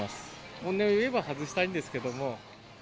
本音を言えば外したいんですけれども。